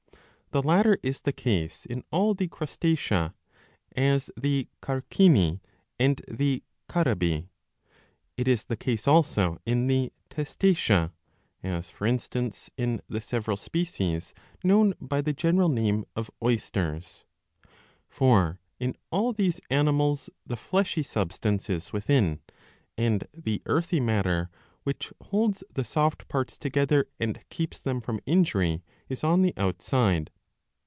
The latter is the case in all the Crustacea,^ as the Carcini and the Carabi ; it is the case also in the Testacea, as for instance in the several species known by the general name of oysters. For in all these animals the fleshy substance is within, and the earthy matter, which holds the soft parts together and keeps them from injury, is on the outside.